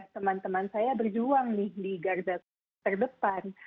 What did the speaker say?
teman teman saya berjuang nih di garda terdepan